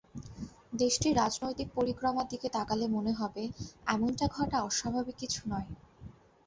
দেশটির রাজনৈতিক পরিক্রমার দিকে তাকালে মনে হবে, এমনটা ঘটা অস্বাভাবিক কিছু নয়।